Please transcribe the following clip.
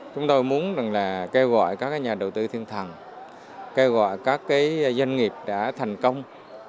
chúng tôi muốn kêu gọi các nhà đầu tư thiên thần kêu gọi các doanh nghiệp đã thành công